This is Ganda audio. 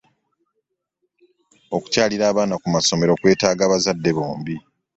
Okukyalira abaana ku masomero kwetaaga bazadde bombi.